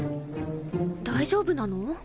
大丈夫なの？